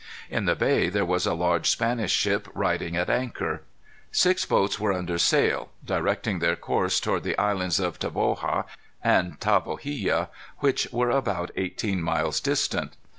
In the bay there was a large Spanish ship riding at anchor. Six boats were under sail, directing their course toward the islands of Tavoga and Tavogilla, which were about eighteen miles distant.